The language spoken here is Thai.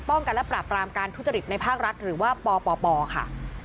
กันและปราบรามการทุจริตในภาครัฐหรือว่าปปค่ะ